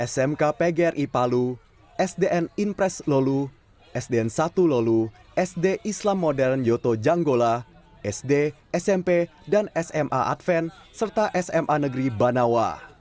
smk pgri palu sdn impres lolu sdn satu lolu sd islam modern yoto janggola sd smp dan sma adven serta sma negeri banawa